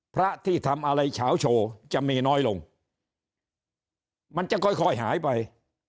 พระที่ทำอะไรเฉาโชว์จะมีน้อยลงมันจะค่อยค่อยหายไป